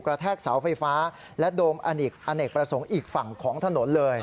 แทกเสาไฟฟ้าและโดมอเนกประสงค์อีกฝั่งของถนนเลย